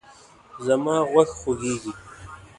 زما غوږ خوږیږي